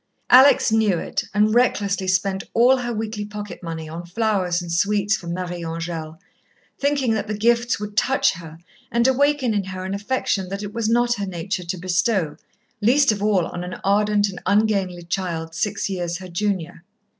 Alex knew it, and recklessly spent all her weekly pocket money on flowers and sweets for Marie Angèle, thinking that the gifts would touch her and awaken in her an affection that it was not her nature to bestow, least of all on an ardent and ungainly child, six years her junior.